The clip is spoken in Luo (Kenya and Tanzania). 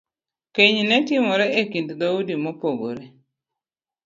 Keny ne timore e kind dhoudi mopogore .